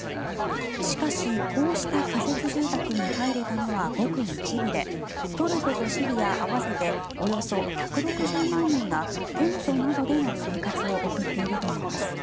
しかし、こうした仮設住宅に入れたのはごく一部でトルコとシリア合わせておよそ１６０万人がテントなどでの生活を送っているといいます。